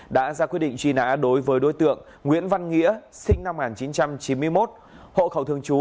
đã ra quyết định truy nã đối với đối tượng nguyễn văn nghĩa sinh năm một nghìn chín trăm chín mươi một